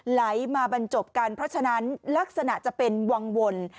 ไหลมาบรรจบกันเพราะฉะนั้นลักษณะจะเป็นวังวล